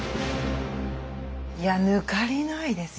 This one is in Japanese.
いや抜かりないですよね。